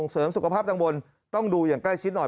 เสริมสุขภาพตำบลต้องดูอย่างใกล้ชิดหน่อย